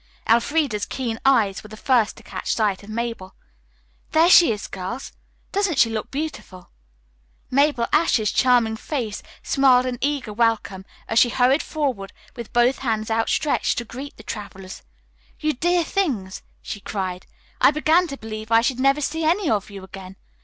Elfreda's keen eyes were the first to catch sight of Mabel. "There she is, girls! Doesn't she look beautiful?" Mabel Ashe's charming face smiled an eager welcome as she hurried forward with both hands outstretched to greet the travelers. "You dear things!" she cried; "I began to believe I should never see any of you again.